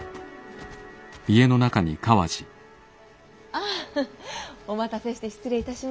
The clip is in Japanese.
ああお待たせして失礼いたしました。